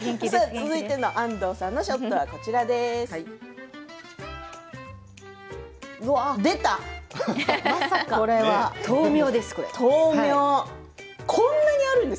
続いて安藤さんのショットはこちらです。